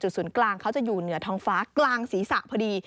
ศูนย์กลางเขาจะอยู่เหนือท้องฟ้ากลางศีรษะพอดี